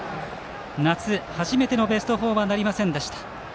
夏、初めてのベスト４はなりませんでした。